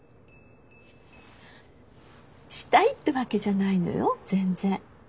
したいってわけじゃないのよ全然。